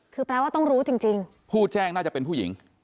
คือแปลว่าต้องรู้จริงผู้แจ้งน่าจะเป็นผู้หญิง